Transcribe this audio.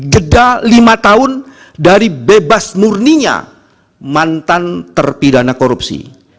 jeda lima tahun dari bebas murninya mantan terpidana korupsi